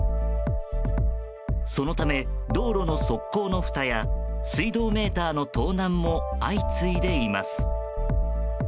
そのため、道路の側溝のふたや水道メーターの盗難も相次いでいます。